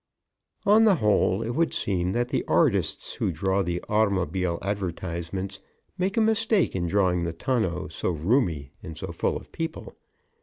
On the whole, it would seem that the artists who draw the automobile advertisements make a mistake in drawing the tonneau so roomy and so full of people.